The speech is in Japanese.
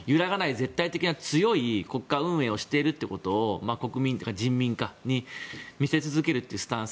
絶対的に強い国家運営をしているということを国民とか人民に見せ続けるスタンス。